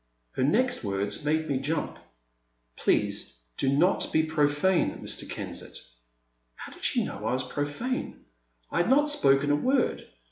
Her next words made me jump. Please do not be profane, Mr. Kensett." How did she know I was profane ? I had not spoken a word